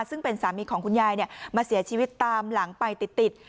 ซึ่งเป็นสามีของคุณยายมาเสียชีวิตตามหลังไปติด